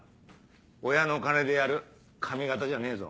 親の金でやる髪形じゃねえぞ。